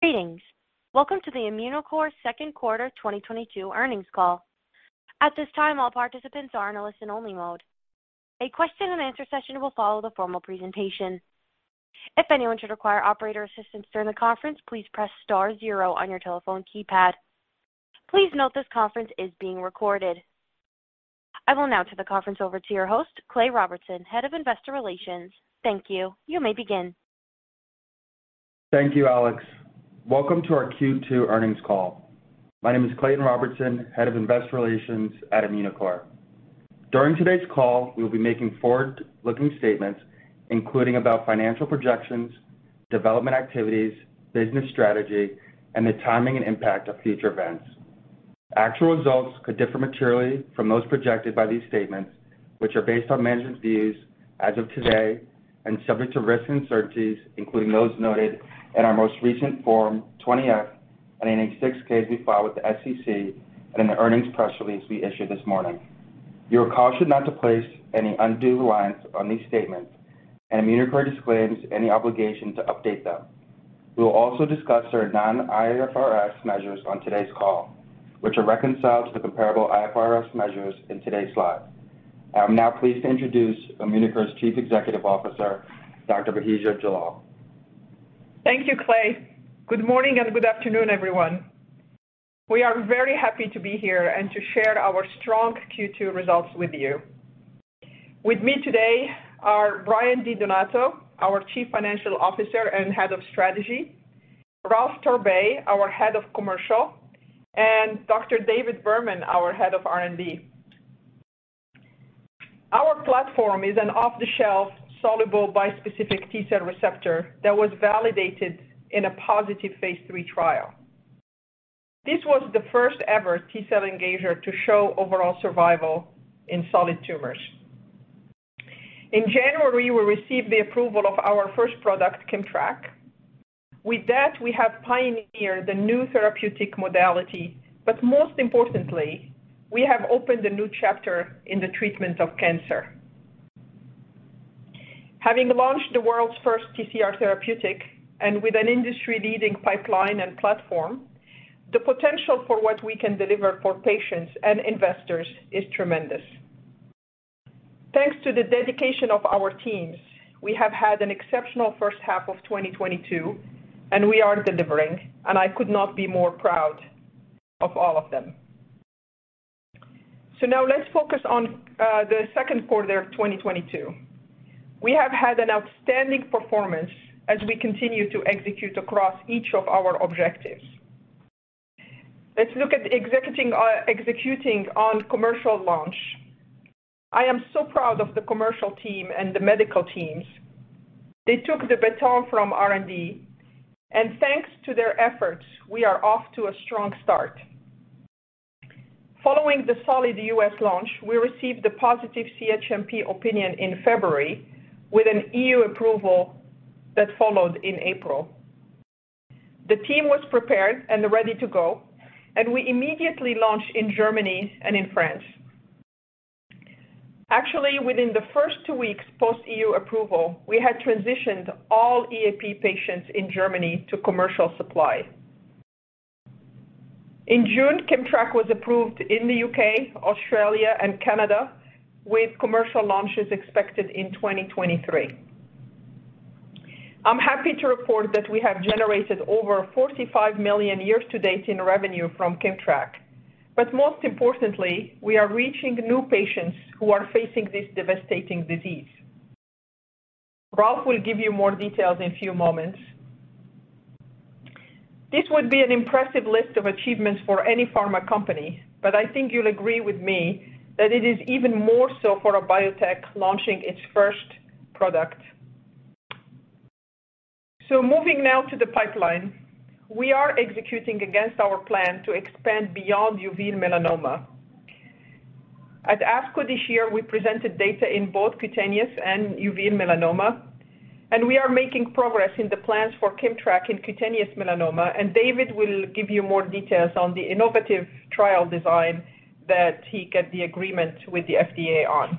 Greetings. Welcome to the Immunocore second quarter 2022 earnings call. At this time, all participants are in a listen-only mode. A question and answer session will follow the formal presentation. If anyone should require operator assistance during the conference, please press star zero on your telephone keypad. Please note this conference is being recorded. I will now turn the conference over to your host, Clay Robertson, Head of Investor Relations. Thank you. You may begin. Thank you, Alex. Welcome to our Q2 earnings call. My name is Clayton Robertson, Head of Investor Relations at Immunocore. During today's call, we will be making forward-looking statements, including about financial projections, development activities, business strategy, and the timing and impact of future events. Actual results could differ materially from those projected by these statements, which are based on management's views as of today and subject to risks and uncertainties, including those noted in our most recent Form 20-F and in 8-K as we file with the SEC and in the earnings press release we issued this morning. You are cautioned not to place any undue reliance on these statements and Immunocore disclaims any obligation to update them. We will also discuss our non-IFRS measures on today's call, which are reconciled to the comparable IFRS measures in today's slide. I'm now pleased to introduce Immunocore's Chief Executive Officer, Dr. Bahija Jallal. Thank you, Clay. Good morning, and good afternoon, everyone. We are very happy to be here and to share our strong Q2 results with you. With me today are Brian Di Donato, our Chief Financial Officer and Head of Strategy, Ralph Torbay, our Head of Commercial, and Dr. David Berman, our Head of R&D. Our platform is an off-the-shelf soluble bispecific T-cell receptor that was validated in a positive phase three trial. This was the first-ever T-cell engager to show overall survival in solid tumors. In January, we received the approval of our first product, Kimmtrak. With that, we have pioneered the new therapeutic modality, but most importantly, we have opened a new chapter in the treatment of cancer. Having launched the world's first TCR therapeutic and with an industry-leading pipeline and platform, the potential for what we can deliver for patients and investors is tremendous. Thanks to the dedication of our teams, we have had an exceptional first half of 2022, and we are delivering, and I could not be more proud of all of them. Now let's focus on the second quarter of 2022. We have had an outstanding performance as we continue to execute across each of our objectives. Let's look at executing on commercial launch. I am so proud of the commercial team and the medical teams. They took the baton from R&D, and thanks to their efforts, we are off to a strong start. Following the solid U.S. launch, we received a positive CHMP opinion in February with an EU approval that followed in April. The team was prepared and ready to go, and we immediately launched in Germany and in France. Actually, within the first two weeks post-EU approval, we had transitioned all EAP patients in Germany to commercial supply. In June, Kimmtrak was approved in the UK, Australia and Canada, with commercial launches expected in 2023. I'm happy to report that we have generated over $45 million year to date in revenue from Kimmtrak, but most importantly, we are reaching new patients who are facing this devastating disease. Ralph will give you more details in a few moments. This would be an impressive list of achievements for any pharma company, but I think you'll agree with me that it is even more so for a biotech launching its first product. Moving now to the pipeline. We are executing against our plan to expand beyond uveal melanoma. At ASCO this year, we presented data in both cutaneous and uveal melanoma, and we are making progress in the plans for Kimmtrak in cutaneous melanoma, and David will give you more details on the innovative trial design that he got the agreement with the FDA on.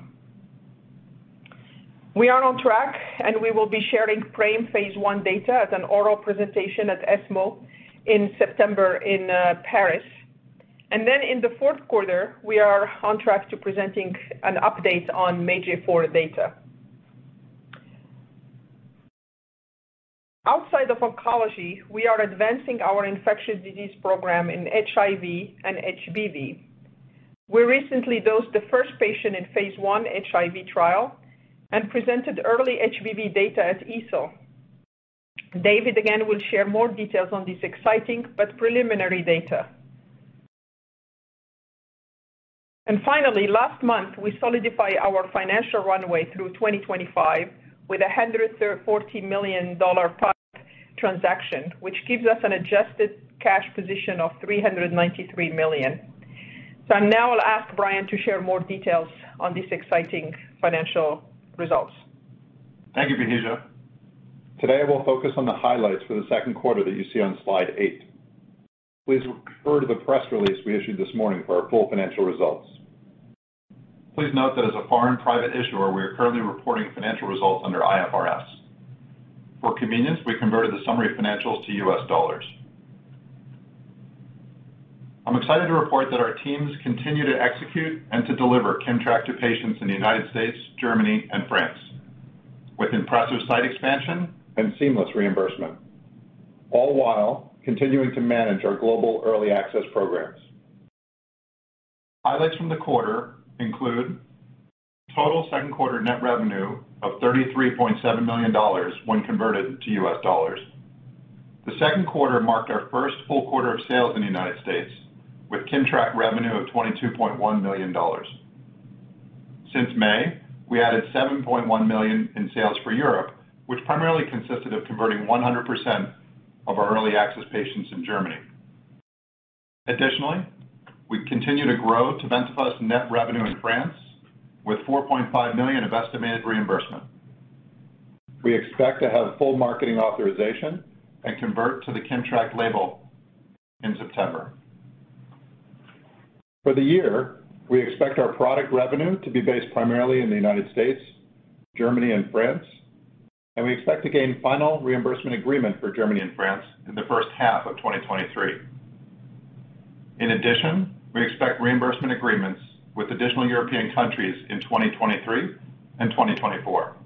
We are on track, and we will be sharing PRAME phase one data at an oral presentation at ESMO in September in Paris. In the fourth quarter, we are on track to presenting an update on MAGE-A4 data. Outside of oncology, we are advancing our infectious disease program in HIV and HBV. We recently dosed the first patient in phase one HIV trial and presented early HBV data at EASL. David again will share more details on this exciting but preliminary data. Finally, last month, we solidify our financial runway through 2025 with a $140 million PIPE transaction, which gives us an adjusted cash position of $393 million. I now will ask Brian to share more details on these exciting financial results. Thank you, Bahija. Today, I will focus on the highlights for the second quarter that you see on slide 8. Please refer to the press release we issued this morning for our full financial results. Please note that as a foreign private issuer, we are currently reporting financial results under IFRS. For convenience, we converted the summary of financials to US dollars. I'm excited to report that our teams continue to execute and to deliver Kimmtrak to patients in the United States, Germany, and France with impressive site expansion and seamless reimbursement, all while continuing to manage our global early access programs. Highlights from the quarter include total second quarter net revenue of $33.7 million when converted to US dollars. The second quarter marked our first full quarter of sales in the United States with Kimmtrak revenue of $22.1 million. Since May, we added $7.1 million in sales for Europe, which primarily consisted of converting 100% of our early access patients in Germany. Additionally, we continue to grow tebentafusp net revenue in France with $4.5 million of estimated reimbursement. We expect to have full marketing authorization and convert to the Kimmtrak label in September. For the year, we expect our product revenue to be based primarily in the United States, Germany and France, and we expect to gain final reimbursement agreement for Germany and France in the first half of 2023. In addition, we expect reimbursement agreements with additional European countries in 2023 and 2024.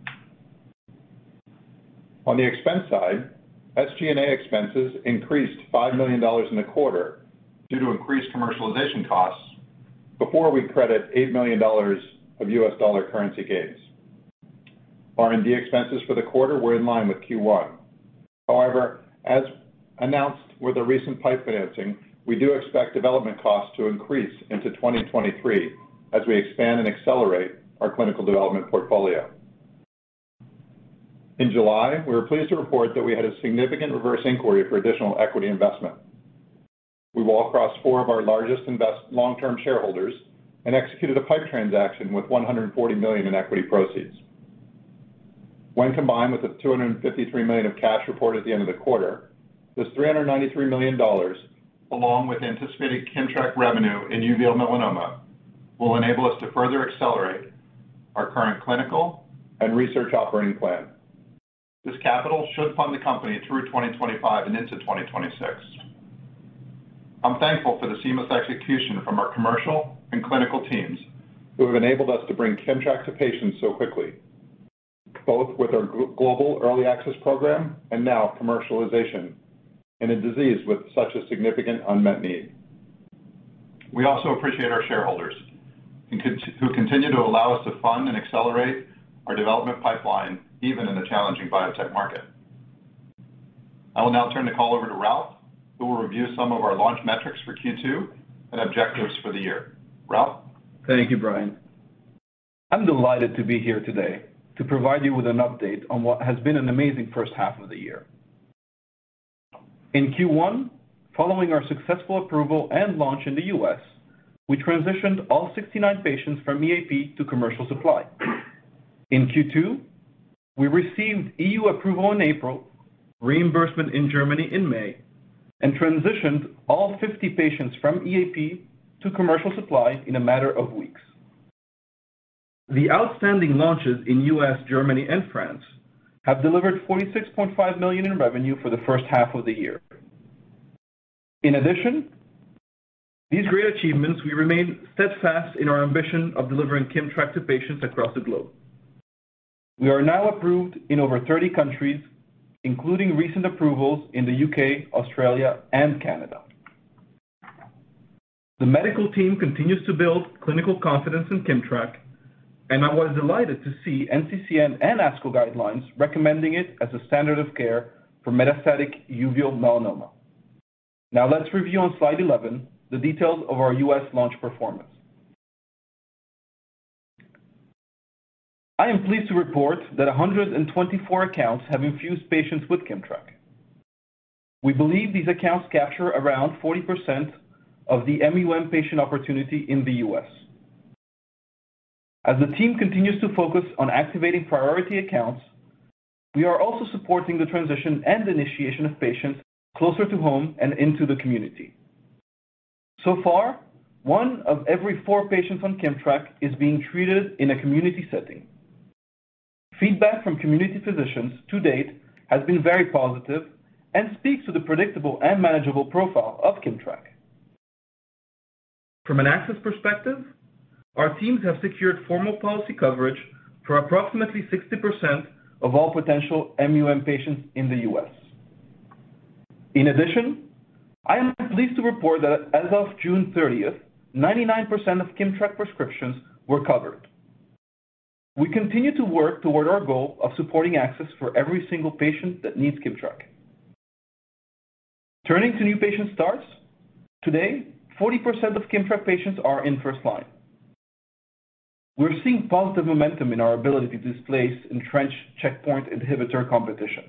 On the expense side, SG&A expenses increased $5 million in the quarter due to increased commercialization costs before we credit $8 million of U.S. dollar currency gains. R&D expenses for the quarter were in line with Q1. However, as announced with the recent PIPE financing, we do expect development costs to increase into 2023 as we expand and accelerate our clinical development portfolio. In July, we were pleased to report that we had a significant reverse inquiry for additional equity investment. We talked to four of our largest investor long-term shareholders and executed a PIPE transaction with $140 million in equity proceeds. When combined with the $253 million of cash reported at the end of the quarter, this $393 million, along with anticipated Kimmtrak revenue in uveal melanoma, will enable us to further accelerate our current clinical and research operating plan. This capital should fund the company through 2025 and into 2026. I'm thankful for the seamless execution from our commercial and clinical teams who have enabled us to bring Kimmtrak to patients so quickly, both with our global early access program and now commercialization in a disease with such a significant unmet need. We also appreciate our shareholders who continue to allow us to fund and accelerate our development pipeline even in a challenging biotech market. I will now turn the call over to Ralph, who will review some of our launch metrics for Q2 and objectives for the year. Ralph? Thank you, Brian. I'm delighted to be here today to provide you with an update on what has been an amazing first half of the year. In Q1, following our successful approval and launch in the U.S., we transitioned all 69 patients from EAP to commercial supply. In Q2, we received E.U. approval in April, reimbursement in Germany in May, and transitioned all 50 patients from EAP to commercial supply in a matter of weeks. The outstanding launches in U.S., Germany and France have delivered $46.5 million in revenue for the first half of the year. In addition, these great achievements, we remain steadfast in our ambition of delivering Kimmtrak to patients across the globe. We are now approved in over 30 countries, including recent approvals in the U.K., Australia, and Canada. The medical team continues to build clinical confidence in Kimmtrak, and I was delighted to see NCCN and ASCO guidelines recommending it as a standard of care for metastatic uveal melanoma. Now let's review on slide 11 the details of our U.S. launch performance. I am pleased to report that 124 accounts have infused patients with Kimmtrak. We believe these accounts capture around 40% of the MUM patient opportunity in the U.S. As the team continues to focus on activating priority accounts, we are also supporting the transition and initiation of patients closer to home and into the community. So far, one of every four patients on Kimmtrak is being treated in a community setting. Feedback from community physicians to date has been very positive and speaks to the predictable and manageable profile of Kimmtrak. From an access perspective, our teams have secured formal policy coverage for approximately 60% of all potential MUM patients in the US. In addition, I am pleased to report that as of June thirtieth, 99% of Kimmtrak prescriptions were covered. We continue to work toward our goal of supporting access for every single patient that needs Kimmtrak. Turning to new patient starts, today, 40% of Kimmtrak patients are in first line. We're seeing positive momentum in our ability to displace entrenched checkpoint inhibitor competition.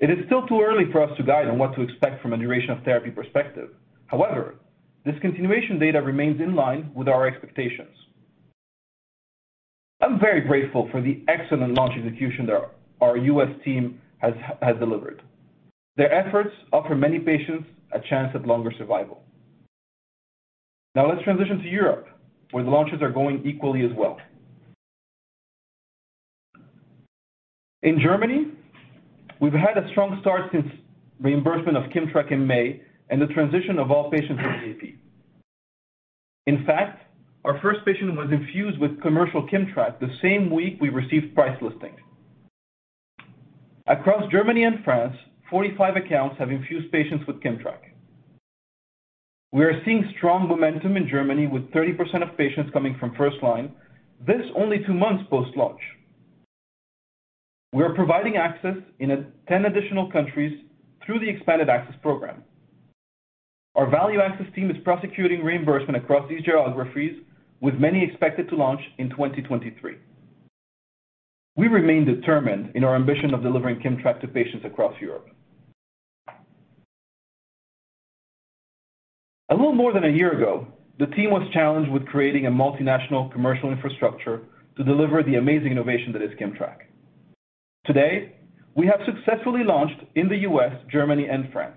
It is still too early for us to guide on what to expect from a duration of therapy perspective. However, this continuation data remains in line with our expectations. I'm very grateful for the excellent launch execution that our US team has delivered. Their efforts offer many patients a chance at longer survival. Now let's transition to Europe, where the launches are going equally as well. In Germany, we've had a strong start since reimbursement of Kimmtrak in May and the transition of all patients from EAP. In fact, our first patient was infused with commercial Kimmtrak the same week we received price listings. Across Germany and France, 45 accounts have infused patients with Kimmtrak. We are seeing strong momentum in Germany with 30% of patients coming from first line. This only two months post-launch. We are providing access in 10 additional countries through the expanded access program. Our value access team is prosecuting reimbursement across these geographies, with many expected to launch in 2023. We remain determined in our ambition of delivering Kimmtrak to patients across Europe. A little more than a year ago, the team was challenged with creating a multinational commercial infrastructure to deliver the amazing innovation that is Kimmtrak. Today, we have successfully launched in the U.S., Germany, and France.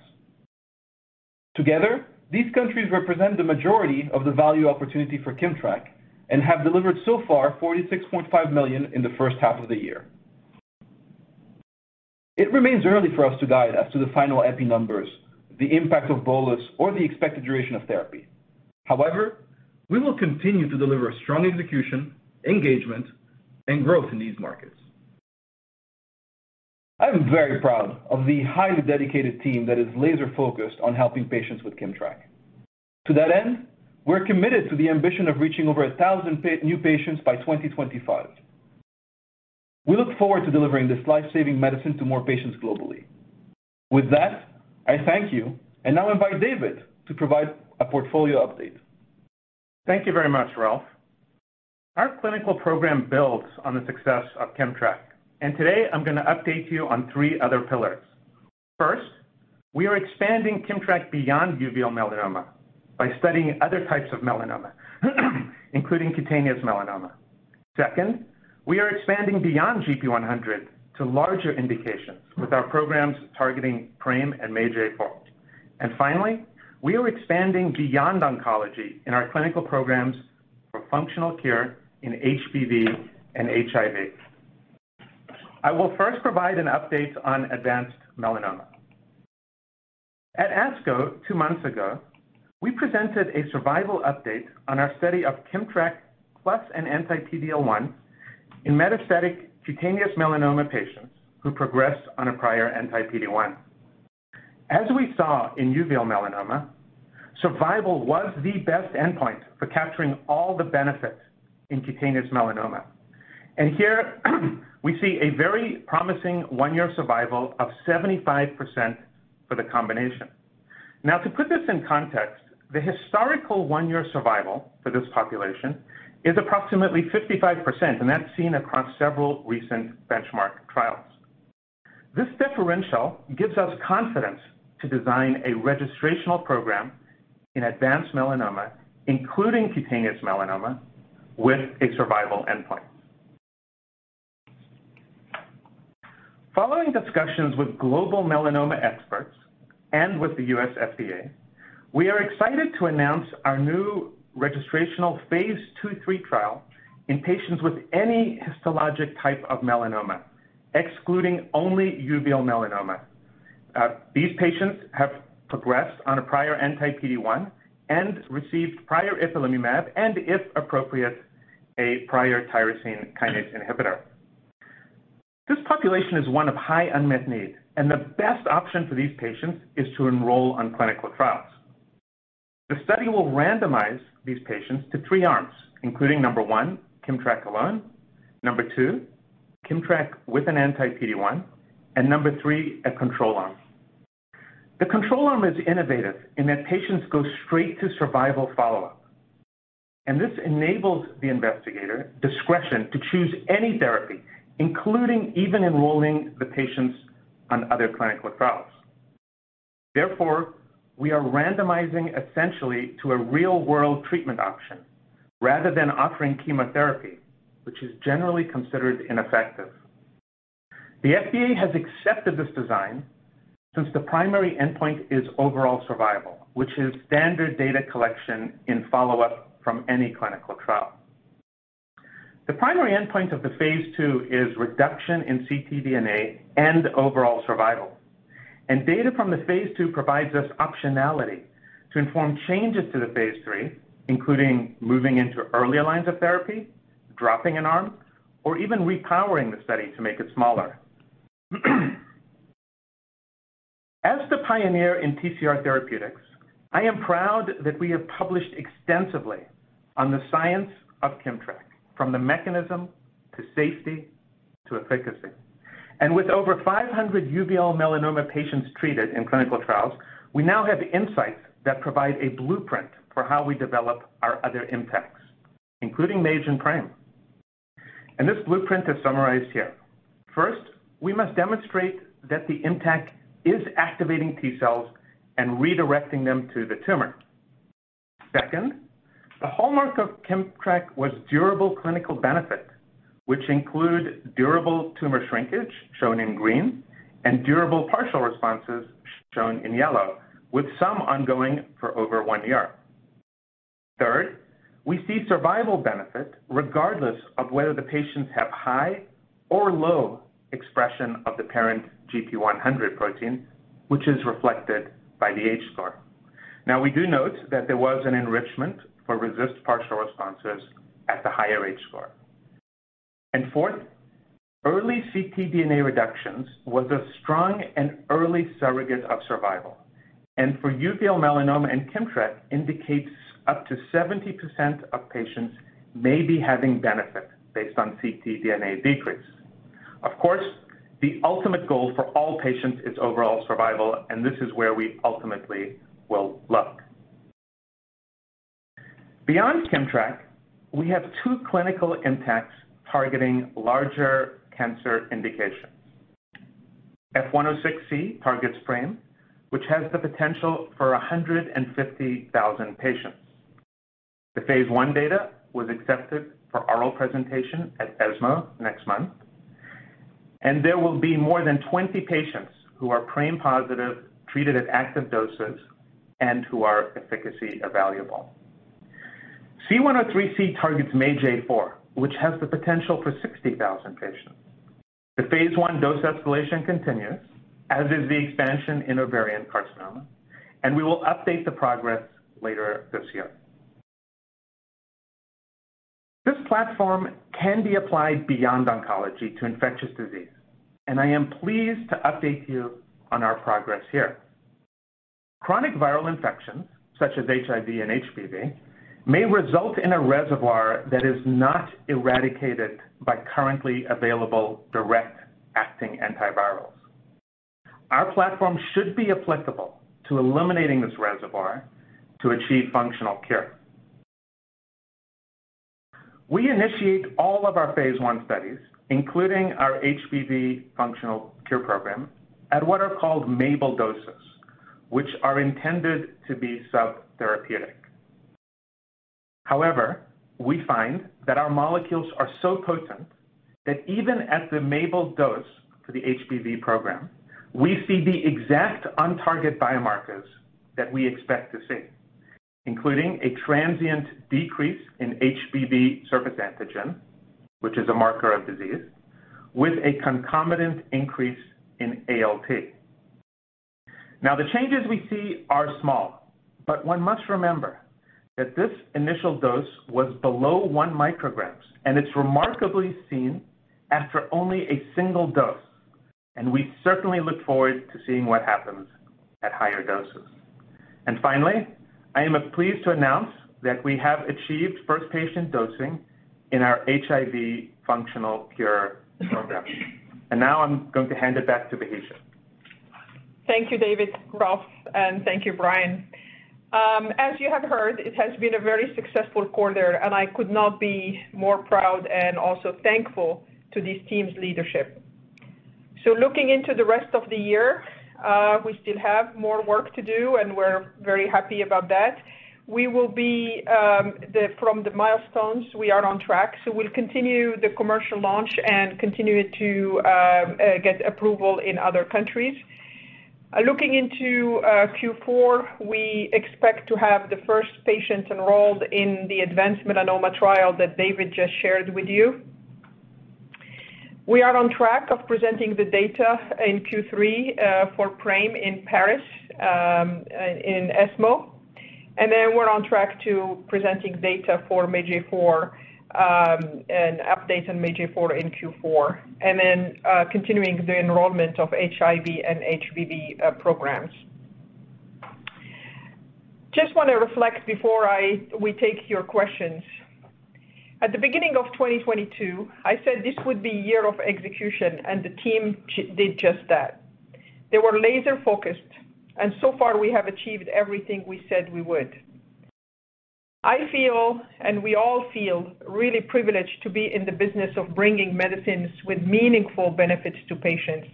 Together, these countries represent the majority of the value opportunity for Kimmtrak and have delivered so far 46.5 million in the first half of the year. It remains early for us to guide as to the final ePI numbers, the impact of bolus, or the expected duration of therapy. However, we will continue to deliver strong execution, engagement, and growth in these markets. I'm very proud of the highly dedicated team that is laser-focused on helping patients with Kimmtrak. To that end, we're committed to the ambition of reaching over 1,000 new patients by 2025. We look forward to delivering this life-saving medicine to more patients globally. With that, I thank you and now invite David to provide a portfolio update. Thank you very much, Ralph. Our clinical program builds on the success of Kimmtrak, and today I'm gonna update you on 3 other pillars. First, we are expanding Kimmtrak beyond uveal melanoma by studying other types of melanoma, including cutaneous melanoma. Second, we are expanding beyond gp100 to larger indications with our programs targeting PRAME and MAGE-A4. Finally, we are expanding beyond oncology in our clinical programs for functional cure in HBV and HIV. I will first provide an update on advanced melanoma. At ASCO two months ago, we presented a survival update on our study of Kimmtrak plus an anti-PD-1 in metastatic cutaneous melanoma patients who progressed on a prior anti-PD-1. As we saw in uveal melanoma, survival was the best endpoint for capturing all the benefits in cutaneous melanoma. Here, we see a very promising one-year survival of 75% for the combination. Now, to put this in context, the historical one-year survival for this population is approximately 55%, and that's seen across several recent benchmark trials. This differential gives us confidence to design a registrational program in advanced melanoma, including cutaneous melanoma, with a survival endpoint. Following discussions with global melanoma experts and with the U.S. FDA, we are excited to announce our new registrational phase 2/3 trial in patients with any histologic type of melanoma, excluding only uveal melanoma. These patients have progressed on a prior anti-PD-1 and received prior ipilimumab, and if appropriate, a prior tyrosine kinase inhibitor. This population is one of high unmet need, and the best option for these patients is to enroll on clinical trials. The study will randomize these patients to three arms, including 1, Kimmtrak alone, 2, Kimmtrak with an anti-PD-1, and 3, a control arm. The control arm is innovative in that patients go straight to survival follow-up, and this enables the investigator discretion to choose any therapy, including even enrolling the patients on other clinical trials. Therefore, we are randomizing essentially to a real-world treatment option rather than offering chemotherapy, which is generally considered ineffective. The FDA has accepted this design since the primary endpoint is overall survival, which is standard data collection in follow-up from any clinical trial. The primary endpoint of the phase 2 is reduction in ctDNA and overall survival. Data from the phase 2 provides us optionality to inform changes to the phase 3, including moving into earlier lines of therapy, dropping an arm, or even repowering the study to make it smaller. As the pioneer in TCR Therapeutics, I am proud that we have published extensively on the science of Kimmtrak, from the mechanism to safety to efficacy. With over 500 uveal melanoma patients treated in clinical trials, we now have insights that provide a blueprint for how we develop our other ImmTACs, including MAGE-A4 PRAME. This blueprint is summarized here. First, we must demonstrate that the ImmTAC is activating T cells and redirecting them to the tumor. Second, the hallmark of Kimmtrak was durable clinical benefit, which include durable tumor shrinkage, shown in green, and durable partial responses, shown in yellow, with some ongoing for over one year. Third, we see survival benefit regardless of whether the patients have high or low expression of the target gp100 protein, which is reflected by the H-score. Now, we do note that there was an enrichment for RECIST partial responses at the higher H-score. Fourth, early ctDNA reductions was a strong and early surrogate of survival, and for uveal melanoma and Kimmtrak indicates up to 70% of patients may be having benefit based on ctDNA decrease. Of course, the ultimate goal for all patients is overall survival, and this is where we ultimately will look. Beyond Kimmtrak, we have two clinical ImmTACs targeting larger cancer indications. F106C targets PRAME, which has the potential for 150,000 patients. The phase 1 data was accepted for oral presentation at ESMO next month, and there will be more than 20 patients who are PRAME positive, treated at active doses and who are efficacy evaluable. C103C targets MAGE-A4, which has the potential for 60,000 patients. The phase 1 dose escalation continues, as is the expansion in ovarian carcinoma, and we will update the progress later this year. This platform can be applied beyond oncology to infectious disease, and I am pleased to update you on our progress here. Chronic viral infections such as HIV and HBV may result in a reservoir that is not eradicated by currently available direct acting antivirals. Our platform should be applicable to eliminating this reservoir to achieve functional cure. We initiate all of our phase one studies, including our HBV functional cure program, at what are called MABEL doses, which are intended to be subtherapeutic. However, we find that our molecules are so potent that even at the MABEL dose for the HBV program, we see the exact on-target biomarkers that we expect to see, including a transient decrease in HBV surface antigen, which is a marker of disease, with a concomitant increase in ALT. Now, the changes we see are small, but one must remember that this initial dose was below 1 microgram and it's remarkably seen after only a single dose, and we certainly look forward to seeing what happens at higher doses. Finally, I am pleased to announce that we have achieved first patient dosing in our HIV functional cure program. Now I'm going to hand it back to Bahija. Thank you, David, Ralph, and thank you, Brian. As you have heard, it has been a very successful quarter, and I could not be more proud and also thankful to this team's leadership. Looking into the rest of the year, we still have more work to do, and we're very happy about that. From the milestones, we are on track, so we'll continue the commercial launch and continue to get approval in other countries. Looking into Q4, we expect to have the first patients enrolled in the advanced melanoma trial that David just shared with you. We are on track of presenting the data in Q3 for PRAME in Paris in ESMO. We're on track to presenting data for MAGE-A4, and updates on MAGE-A4 in Q4, and then continuing the enrollment of HIV and HBV programs. I just want to reflect before we take your questions. At the beginning of 2022, I said this would be the year of execution and the team did just that. They were laser focused and so far we have achieved everything we said we would. I feel, and we all feel really privileged to be in the business of bringing medicines with meaningful benefits to patients,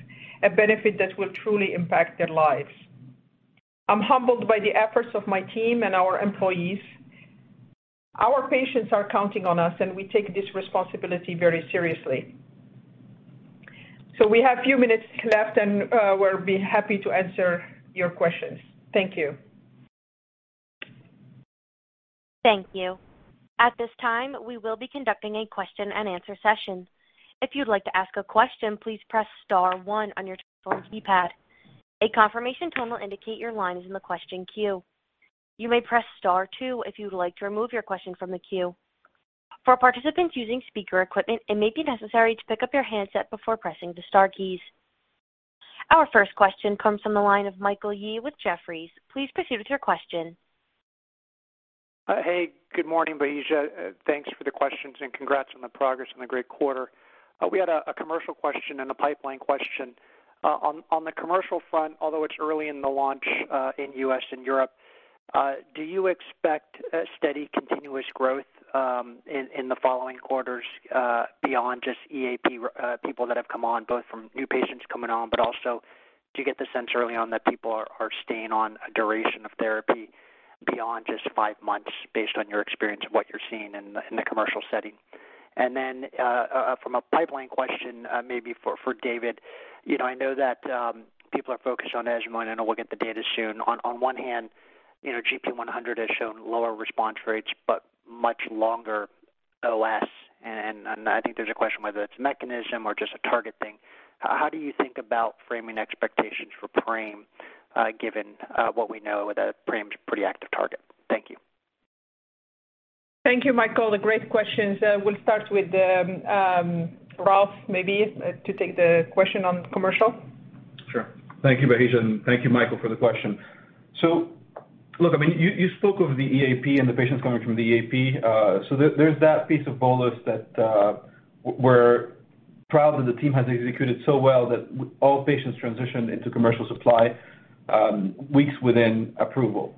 a benefit that will truly impact their lives. I'm humbled by the efforts of my team and our employees. Our patients are counting on us, and we take this responsibility very seriously. We have a few minutes left, and we'll be happy to answer your questions. Thank you. Thank you. At this time, we will be conducting a question and answer session. If you'd like to ask a question, please press star one on your phone keypad. A confirmation tone will indicate your line is in the question queue. You may press star two if you'd like to remove your question from the queue. For participants using speaker equipment, it may be necessary to pick up your handset before pressing the star keys. Our first question comes from the line of Michael Yee with Jefferies. Please proceed with your question. Hey, good morning, Bahija. Thanks for the questions and congrats on the progress and the great quarter. We had a commercial question and a pipeline question. On the commercial front, although it's early in the launch, in U.S. and Europe, do you expect a steady continuous growth in the following quarters, beyond just EAP, people that have come on, both from new patients coming on but also Do you get the sense early on that people are staying on a duration of therapy beyond just five months based on your experience of what you're seeing in the commercial setting? Then, from a pipeline question, maybe for David. You know, I know that people are focused on as mono, and we'll get the data soon. On one hand, you know, gp100 has shown lower response rates, but much longer OS, and I think there's a question whether it's mechanism or just a target thing. How do you think about framing expectations for PRAME, given what we know that PRAME's a pretty active target? Thank you. Thank you, Michael. They're great questions. We'll start with Ralph maybe to take the question on commercial. Sure. Thank you, Bahija, and thank you, Michael, for the question. Look, I mean, you spoke of the EAP and the patients coming from the EAP. There's that piece of bolus that we're proud that the team has executed so well that all patients transitioned into commercial supply weeks within approval.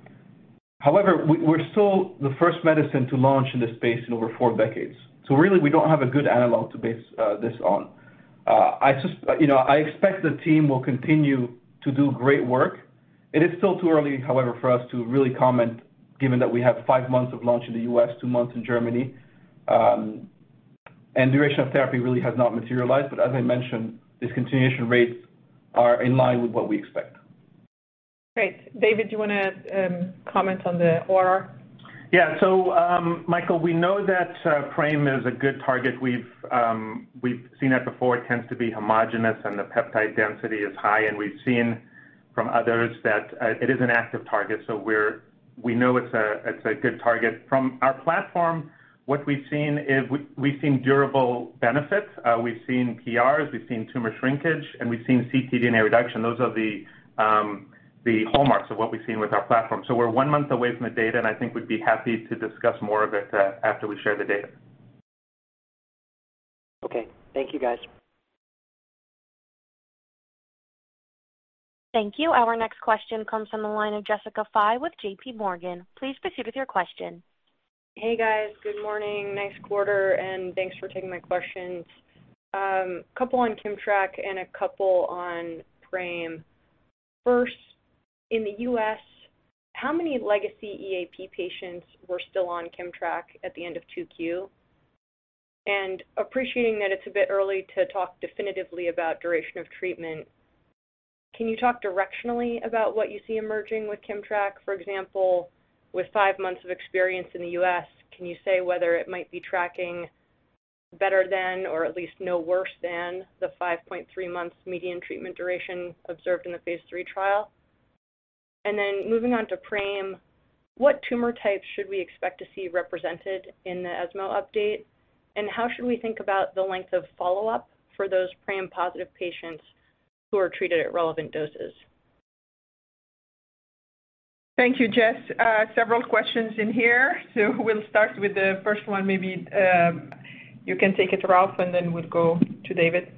However, we're still the first medicine to launch in this space in over four decades. Really, we don't have a good analog to base this on. You know, I expect the team will continue to do great work. It is still too early, however, for us to really comment, given that we have five months of launch in the U.S., two months in Germany, and duration of therapy really has not materialized. As I mentioned, discontinuation rates are in line with what we expect. Great. David, do you wanna comment on the OR? Yeah. Michael, we know that PRAME is a good target. We've seen it before. It tends to be homogeneous, and the peptide density is high, and we've seen from others that it is an active target. We know it's a good target. From our platform, what we've seen is we've seen durable benefits, we've seen PRs, we've seen tumor shrinkage, and we've seen ctDNA reduction. Those are the hallmarks of what we've seen with our platform. We're one month away from the data, and I think we'd be happy to discuss more of it after we share the data. Okay. Thank you, guys. Thank you. Our next question comes from the line of Jessica Fye with J.P. Morgan. Please proceed with your question. Hey, guys. Good morning. Nice quarter, and thanks for taking my questions. A couple on Kimmtrak and a couple on PRAME. First, in the US, how many legacy EAP patients were still on Kimmtrak at the end of 2Q? Appreciating that it's a bit early to talk definitively about duration of treatment, can you talk directionally about what you see emerging with Kimmtrak? For example, with 5 months of experience in the US, can you say whether it might be tracking better than or at least no worse than the 5.3 months median treatment duration observed in the phase 3 trial? Moving on to PRAME, what tumor types should we expect to see represented in the ESMO update? How should we think about the length of follow-up for those PRAME-positive patients who are treated at relevant doses? Thank you, Jess. Several questions in here. We'll start with the first one. Maybe you can take it, Ralph, and then we'll go to David.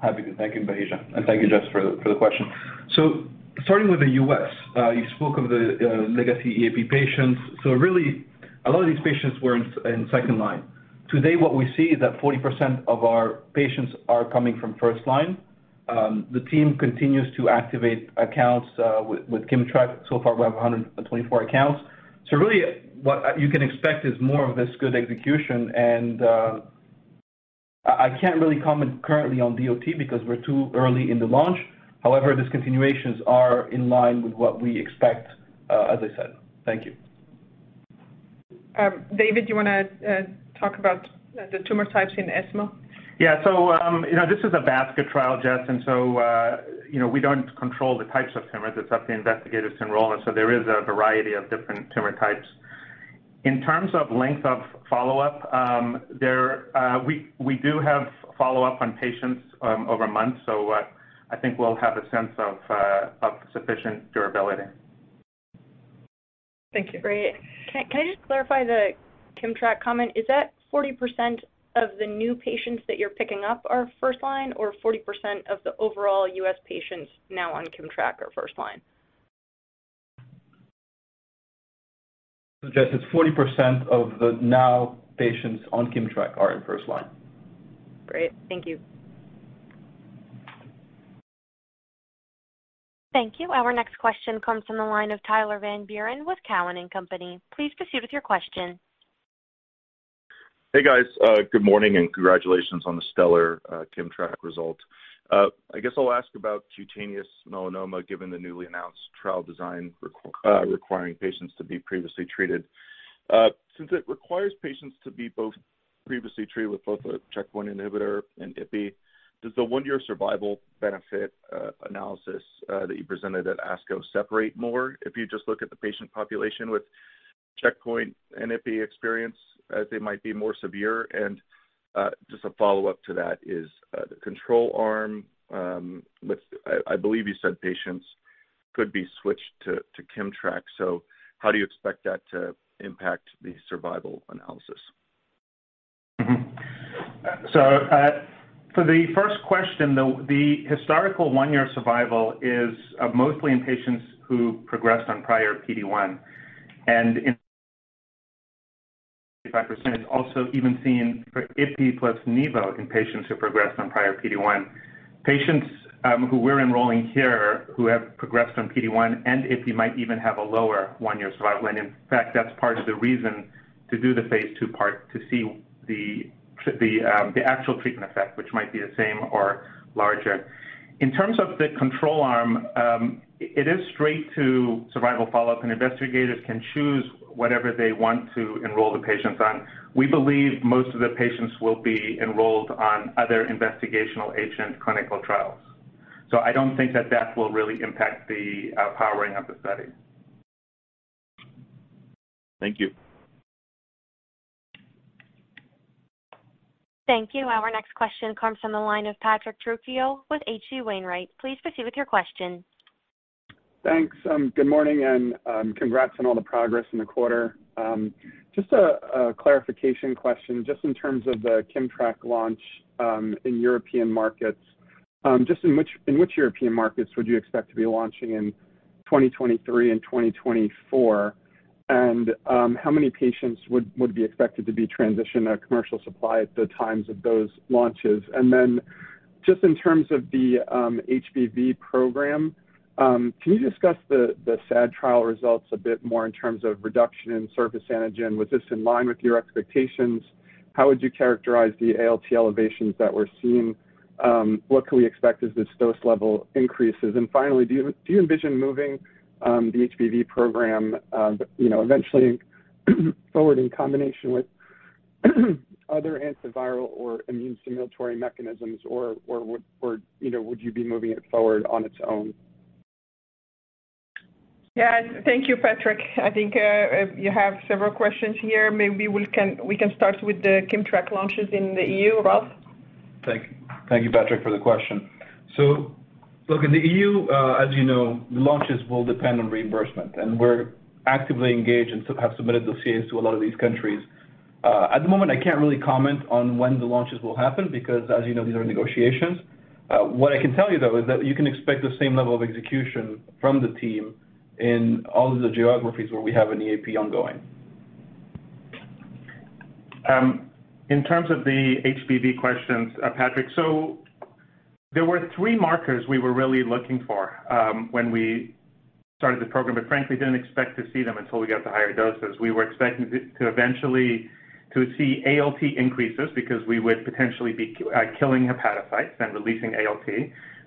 Happy to. Thank you, Bahija. Thank you, Jess, for the question. Starting with the U.S., you spoke of the legacy EAP patients. Really, a lot of these patients were in second line. Today, what we see is that 40% of our patients are coming from first line. The team continues to activate accounts with Kimmtrak. So far, we have 124 accounts. Really what you can expect is more of this good execution. I can't really comment currently on DOT because we're too early in the launch. However, discontinuations are in line with what we expect, as I said. Thank you. David, do you wanna talk about the tumor types in ESMO? Yeah. You know, this is a basket trial, Jess, and so you know, we don't control the types of tumors. It's up to investigators to enroll, and so there is a variety of different tumor types. In terms of length of follow-up, we do have follow-up on patients over months, so I think we'll have a sense of sufficient durability. Thank you. Great. Can I just clarify the Kimmtrak comment? Is that 40% of the new patients that you're picking up are first line, or 40% of the overall U.S. patients now on Kimmtrak are first line? Jess, it's 40% of the new patients on Kimmtrak are in first line. Great. Thank you. Thank you. Our next question comes from the line of Tyler Van Buren with Cowen and Company. Please proceed with your question. Hey, guys. Good morning, and congratulations on the stellar Kimmtrak result. I guess I'll ask about cutaneous melanoma, given the newly announced trial design requiring patients to be previously treated. Since it requires patients to be both previously treated with both a checkpoint inhibitor and Ipi, does the one-year survival benefit analysis that you presented at ASCO separate more if you just look at the patient population with checkpoint and Ipi experience, as they might be more severe? Just a follow-up to that is the control arm. I believe you said patients could be switched to Kimmtrak. So how do you expect that to impact the survival analysis? For the first question, the historical one-year survival is mostly in patients who progressed on prior PD-1. Five percent is also even seen for Ipi plus nivolumab in patients who progressed on prior PD-1. Patients who we're enrolling here who have progressed on PD-1 and Ipi might even have a lower one-year survival. In fact, that's part of the reason to do the phase 2 part, to see the actual treatment effect, which might be the same or larger. In terms of the control arm, it is straight to survival follow-up, and investigators can choose whatever they want to enroll the patients on. We believe most of the patients will be enrolled on other investigational agent clinical trials. I don't think that will really impact the powering of the study. Thank you. Thank you. Our next question comes from the line of Patrick Trucchio with H.C. Wainwright. Please proceed with your question. Thanks. Good morning, and congrats on all the progress in the quarter. Just a clarification question, just in terms of the Kimmtrak launch in European markets. Just in which European markets would you expect to be launching in 2023 and 2024? And how many patients would be expected to be transitioned at commercial supply at the times of those launches? And then just in terms of the HBV program, can you discuss the SAD trial results a bit more in terms of reduction in surface antigen? Was this in line with your expectations? How would you characterize the ALT elevations that we're seeing? What can we expect as this dose level increases? Finally, do you envision moving the HBV program, you know, eventually forward in combination with other antiviral or immune stimulatory mechanisms or would you be moving it forward on its own? Yeah. Thank you, Patrick. I think you have several questions here. Maybe we can start with the Kimmtrak launches in the EU. Ralph? Thank you. Thank you, Patrick, for the question. Look, in the EU, as you know, launches will depend on reimbursement and we're actively engaged and have submitted dossiers to a lot of these countries. At the moment, I can't really comment on when the launches will happen because as you know, these are negotiations. What I can tell you though is that you can expect the same level of execution from the team in all of the geographies where we have an EAP ongoing. In terms of the HBV questions, Patrick, there were three markers we were really looking for, when we started the program, but frankly didn't expect to see them until we got to higher doses. We were expecting to eventually see ALT increases because we would potentially be killing hepatocytes and releasing ALT.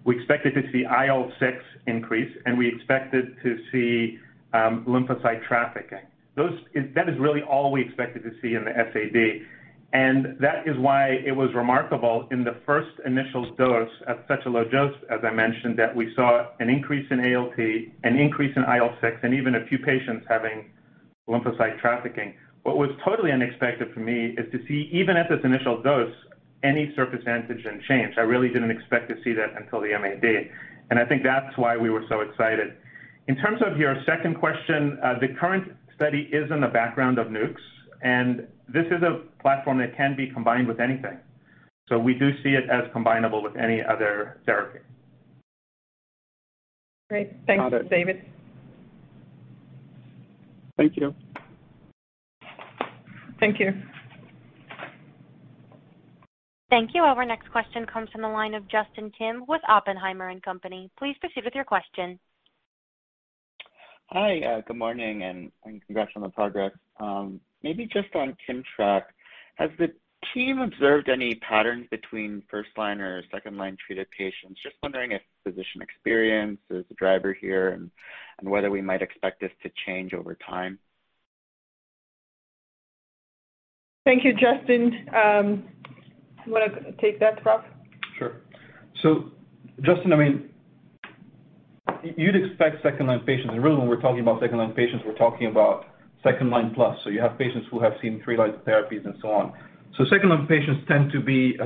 We expected to see IL-6 increase, and we expected to see lymphocyte trafficking. That is really all we expected to see in the SAD. That is why it was remarkable in the first initial dose at such a low dose, as I mentioned, that we saw an increase in ALT, an increase in IL-6 and even a few patients having lymphocyte trafficking. What was totally unexpected for me is to see even at this initial dose, any surface antigen change. I really didn't expect to see that until the MAD. I think that's why we were so excited. In terms of your second question, the current study is in the background of nucs, and this is a platform that can be combined with anything. We do see it as combinable with any other therapy. Great. Thanks, Ralph. Thank you. Thank you. Thank you. Our next question comes from the line of Justin Kim with Oppenheimer & Co. Please proceed with your question. Hi. Good morning, and congrats on the progress. Maybe just on Kimmtrak. Has the team observed any patterns between first-line or second-line treated patients? Just wondering if physician experience is a driver here and whether we might expect this to change over time. Thank you, Justin. You wanna take that, Ralph? Sure. Justin, I mean, you'd expect second-line patients, and really when we're talking about second-line patients, we're talking about second-line plus. You have patients who have seen three lines of therapies and so on. Second-line patients tend to be,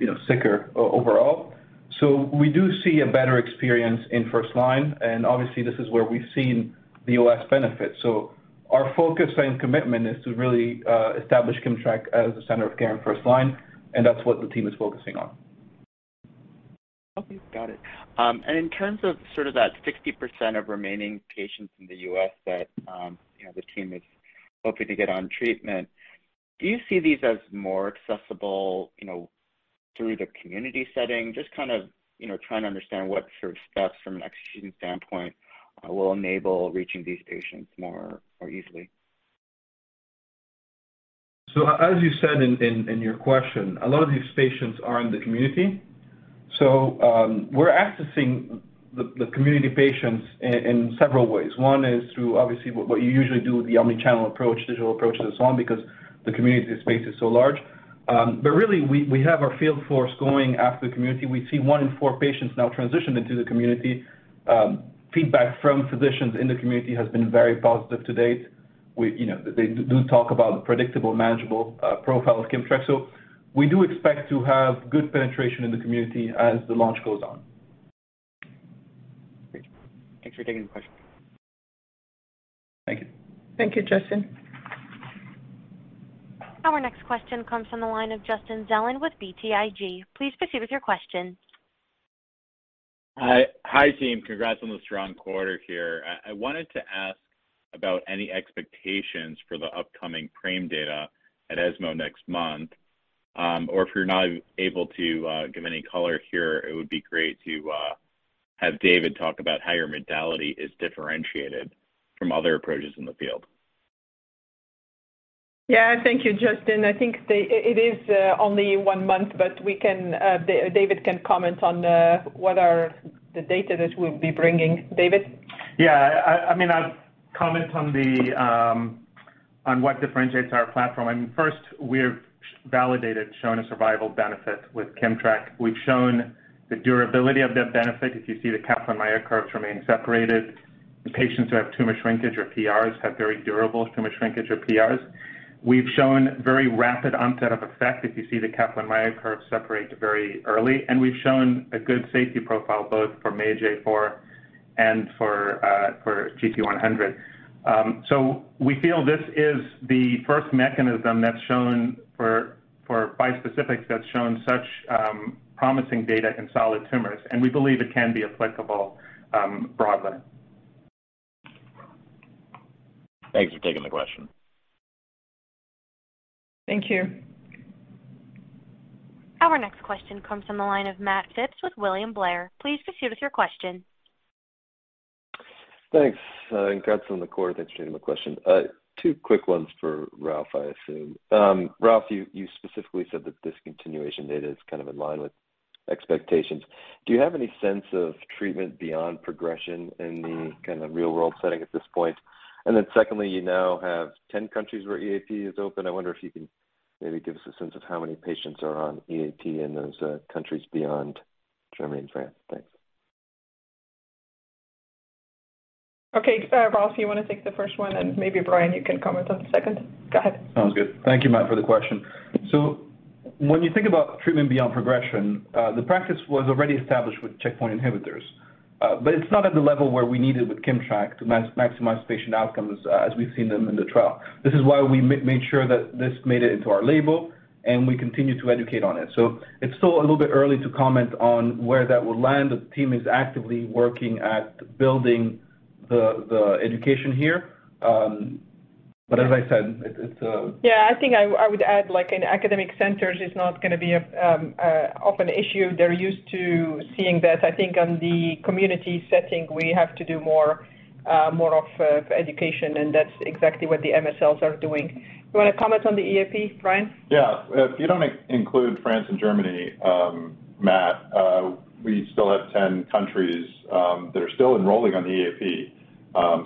you know, sicker overall. We do see a better experience in first line. Obviously this is where we've seen the OS benefit. Our focus and commitment is to really establish Kimmtrak as the center of care in first line, and that's what the team is focusing on. Okay, got it. In terms of sort of that 60% of remaining patients in the US that, you know, the team is hoping to get on treatment, do you see these as more accessible, you know, through the community setting? Just kind of, you know, trying to understand what sort of steps from an execution standpoint, will enable reaching these patients more easily. As you said in your question, a lot of these patients are in the community. We're accessing the community patients in several ways. One is through obviously what you usually do with the omni-channel approach, digital approach and so on, because the community space is so large. Really we have our field force going after the community. We see one in four patients now transition into the community. Feedback from physicians in the community has been very positive to date. You know, they do talk about the predictable, manageable profile of Kimmtrak. We do expect to have good penetration in the community as the launch goes on. Great. Thanks for taking the question. Thank you. Thank you, Justin. Our next question comes from the line of Justin Zelin with BTIG. Please proceed with your question. Hi, team. Congrats on the strong quarter here. I wanted to ask about any expectations for the upcoming PRAME data at ESMO next month. Or if you're not able to give any color here, it would be great to have David talk about how your mentality is differentiated from other approaches in the field. Yeah. Thank you, Justin. I think it is only one month, but we can, David can comment on what are the data that we'll be bringing. David? Yeah. I mean, I'll comment on what differentiates our platform. I mean, first, we've validated showing a survival benefit with Kimmtrak. We've shown the durability of that benefit. If you see the Kaplan-Meier curves remain separated, the patients who have tumor shrinkage or PRs have very durable tumor shrinkage or PRs. We've shown very rapid onset of effect. If you see the Kaplan-Meier curves separate very early, and we've shown a good safety profile both for MAGE-A4 and for gp100. We feel this is the first mechanism that's shown for bispecifics such promising data in solid tumors, and we believe it can be applicable broadly. Thanks for taking the question. Thank you. Our next question comes from the line of Matt Phipps with William Blair. Please proceed with your question. Thanks, and congrats on the quarter. Thanks for taking my question. Two quick ones for Ralph, I assume. Ralph, you specifically said that discontinuation data is kind of in line with expectations. Do you have any sense of treatment beyond progression in the kind of real-world setting at this point? Secondly, you now have 10 countries where EAP is open. I wonder if you can maybe give us a sense of how many patients are on EAP in those countries beyond Germany and France. Thanks. Okay. Ralph, you wanna take the first one, and maybe Brian, you can comment on the second. Go ahead. Sounds good. Thank you, Matt, for the question. When you think about treatment beyond progression, the practice was already established with checkpoint inhibitors, but it's not at the level where we need it with Kimmtrak to maximize patient outcomes as we've seen them in the trial. This is why we made sure that this made it into our label, and we continue to educate on it. It's still a little bit early to comment on where that will land. The team is actively working at building the education here. As I said, it's Yeah, I think I would add, like in academic centers, it's not gonna be an often issue. They're used to seeing that. I think in the community setting, we have to do more education, and that's exactly what the MSLs are doing. You wanna comment on the EAP, Brian? Yeah. If you don't include France and Germany, Matt, we still have 10 countries that are still enrolling on the EAP.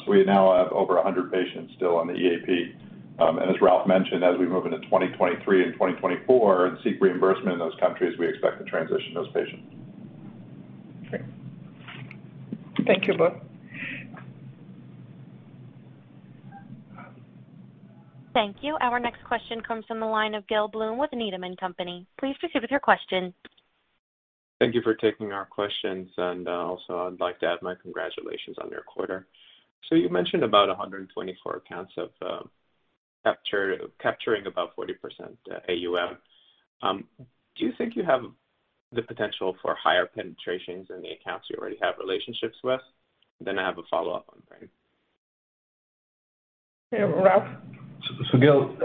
We now have over 100 patients still on the EAP. As Ralph mentioned, as we move into 2023 and 2024 and seek reimbursement in those countries, we expect to transition those patients. Great. Thank you both. Thank you. Our next question comes from the line of Gil Blum with Needham & Company. Please proceed with your question. Thank you for taking our questions. Also I'd like to add my congratulations on your quarter. You mentioned about 124 accounts of capturing about 40% AUM. Do you think you have the potential for higher penetrations in the accounts you already have relationships with? I have a follow-up on PRAME. Ralph. Gil,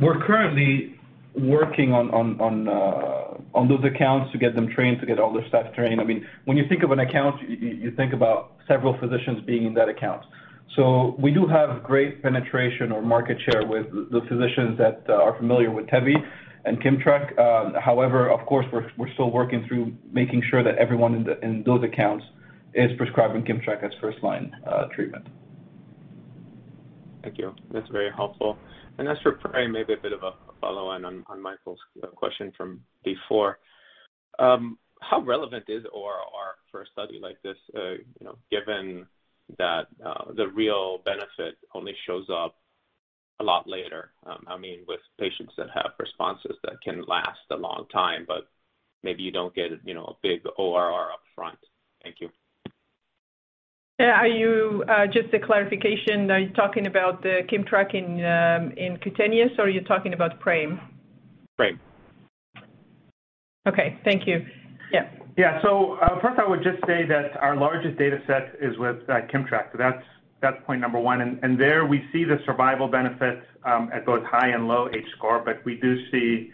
we're currently working on those accounts to get them trained, to get all their staff trained. I mean, when you think of an account, you think about several physicians being in that account. We do have great penetration or market share with the physicians that are familiar with Tevi and Kimmtrak. However, of course, we're still working through making sure that everyone in those accounts is prescribing Kimmtrak as first-line treatment. Thank you. That's very helpful. As for PRAME, maybe a bit of a follow-on on Michael's question from before. How relevant is ORR for a study like this, you know, given that, the real benefit only shows up a lot later, I mean, with patients that have responses that can last a long time, but maybe you don't get, you know, a big ORR up front. Thank you. Yeah. Just a clarification, are you talking about the Kimmtrak in cutaneous, or are you talking about PRAME? PRAME. Okay. Thank you. Yeah. Yeah. First I would just say that our largest data set is with Kimmtrak. That's point number one, and there we see the survival benefits at both high and low H-score, but we do see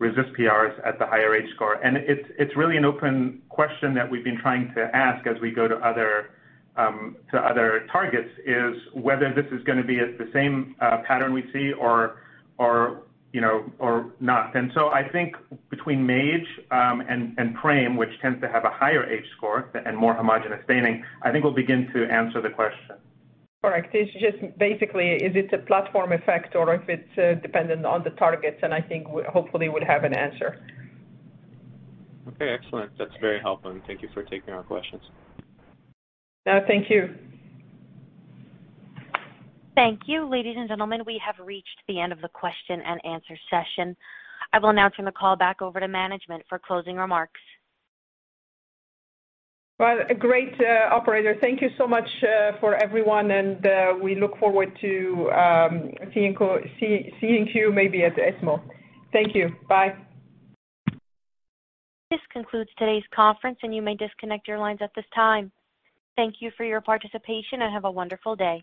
RECIST PRs at the higher H-score. It's really an open question that we've been trying to ask as we go to other targets, is whether this is gonna be at the same pattern we see or, you know, or not. I think between Mage and PRAME, which tends to have a higher H-score and more homogeneous staining, we'll begin to answer the question. Correct. It's just basically is it a platform effect or if it's dependent on the targets, and I think we hopefully would have an answer. Okay. Excellent. That's very helpful, and thank you for taking our questions. Yeah, thank you. Thank you. Ladies and gentlemen, we have reached the end of the question and answer session. I will now turn the call back over to management for closing remarks. Well, great, operator. Thank you so much for everyone, and we look forward to seeing you maybe at ESMO. Thank you. Bye. This concludes today's conference, and you may disconnect your lines at this time. Thank you for your participation, and have a wonderful day.